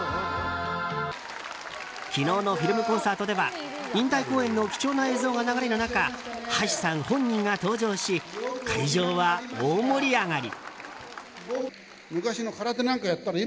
昨日のフィルムコンサートでは引退公演の貴重な映像が流れる中橋さん本人が登場し会場は大盛り上がり。